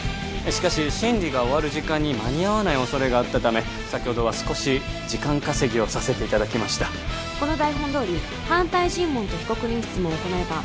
しかし審理が終わる時間に間に合わない恐れがあったため先ほどは少し時間稼ぎをさせていただきましたこの台本どおり反対尋問と被告人質問を行えば